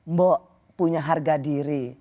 mbok punya harga diri